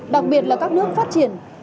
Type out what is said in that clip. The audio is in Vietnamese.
đặc biệt là các nước phát triển